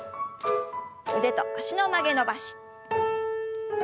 腕と脚の曲げ伸ばし。